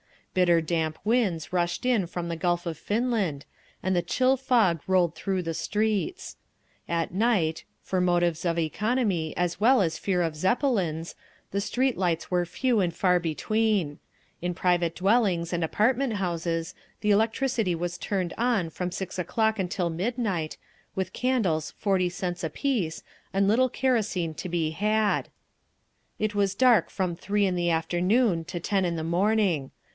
Bitter damp winds rushed in from the Gulf of Finland, and the chill fog rolled through the streets. At night, for motives of economy as well as fear of Zeppelins, the street lights were few and far between; in private dwellings and apartment houses the electricity was turned on from six o'clock until midnight, with candles forty cents apiece and little kerosene to be had. It was dark from three in the afternoon to ten in the morning.